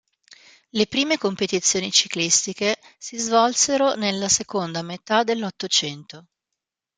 Le prime competizioni ciclistiche si svolsero nella seconda metà dell'Ottocento.